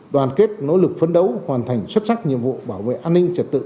đoàn kết nỗ lực phấn đấu hoàn thành xuất sắc nhiệm vụ bảo vệ an ninh trật tự